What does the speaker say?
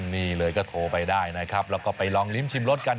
นี่เลยก็โทรไปได้นะครับแล้วก็ไปลองลิ้มชิมรสกัน